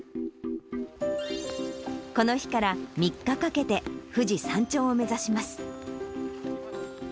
この日から３日かけて、富士山頂を目指します。